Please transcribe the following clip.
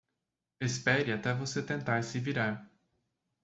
Espere até você tentar se virar.